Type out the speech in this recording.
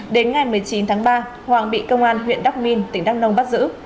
đến ngày một mươi chín tháng ba hoàng bị công an huyện đắc minh tỉnh đắk nông bắt giữ